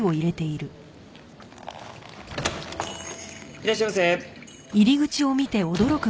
いらっしゃいませ。